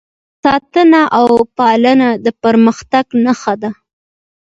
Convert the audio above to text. ساتنه او پالنه د پرمختګ نښه ده.